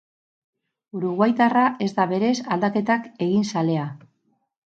Uruguaitarra ez da berez aldaketak egin zalea.